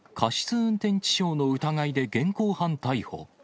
運転致傷の疑いで現行犯逮捕。